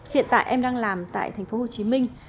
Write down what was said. hiện tại em đang làm tại thành phố hồ chí minh